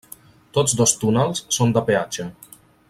Tots dos túnels són de peatge.